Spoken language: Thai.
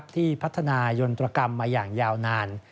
ที่พัฒนายนตรกรรมมาอย่างยาวนาน